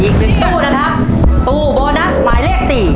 อีกหนึ่งตู้นะครับตู้โบนัสหมายเลขสี่